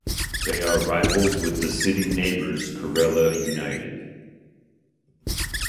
They are rivals with city neighbours Karela United.